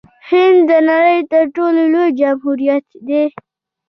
هند د نړۍ تر ټولو لوی جمهوریت دی.